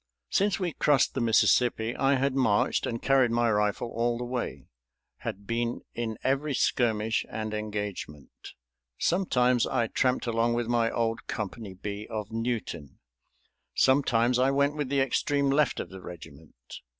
Since we crossed the Mississippi I had marched and carried my rifle all the way, had been in every skirmish and engagement. Sometimes I tramped along with my old Company B of Newton, sometimes I went with the extreme left of the regiment.